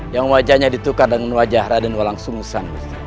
yang wajahnya ditukar dengan wajah raden walang sung sang